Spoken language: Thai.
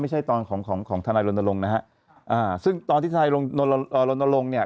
ไม่ใช่ตอนของของของธนายรณรงค์นะฮะอ่าซึ่งตอนที่ธนายรณรงค์เนี่ย